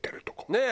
ねえ。